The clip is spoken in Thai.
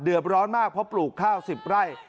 เดือดร้อนมากเพราะปลูกข้าว๑๐ไร่